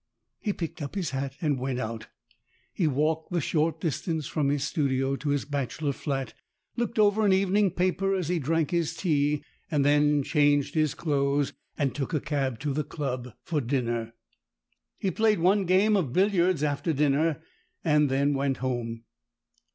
He picked up his hat and went out. He walked the short distance from his studio to his bachelor flat, looked ROSE ROSE 149 over an evening paper as he drank his tea, and then changed his clothes and took a cab to the club for dinner. He played one game of billiards after dinner, and then went home.